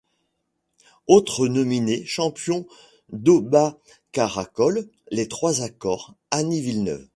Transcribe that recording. Autres nominés: Champion, DobaCaracol, les Trois Accords, Annie Villeneuve.